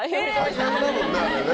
大変だもんねあれね。